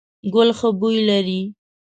ګل ښه بوی لري ….